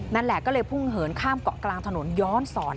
นั่นแหละก็เลยพุ่งเหินข้ามเกาะกลางถนนย้อนสอน